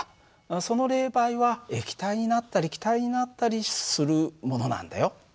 その冷媒は液体になったり気体になったりするものなんだよ。